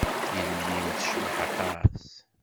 Yelli-m tecbeḥ aṭas.